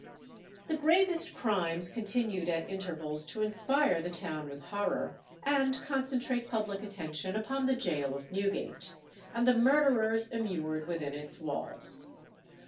The gravest crimes continued at intervals to inspire the town with horror, and concentrate public attention upon the gaol of Newgate, and the murderers immured within its walls.